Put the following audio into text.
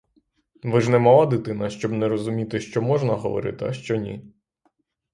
Ви ж не мала дитина, щоб не розуміти що можна говорити, а що ні.